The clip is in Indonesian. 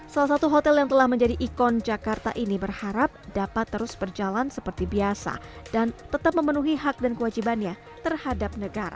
salah satu hotel yang telah menjadi ikon jakarta ini berharap dapat terus berjalan seperti biasa dan tetap memenuhi hak dan kewajibannya terhadap negara